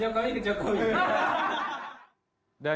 semoga kita bisa berkembang